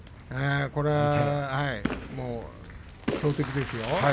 これは強敵ですよ。